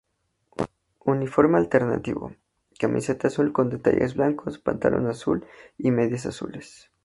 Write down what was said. Uniforme alternativo: Camiseta azul con detalles blancos, pantalón azul y medias azules.